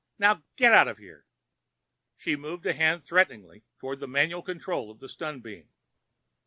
_ Now get out of here!" She moved a hand threateningly toward the manual controls of the stun beam.